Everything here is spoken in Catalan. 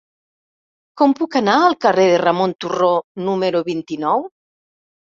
Com puc anar al carrer de Ramon Turró número vint-i-nou?